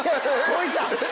恋さん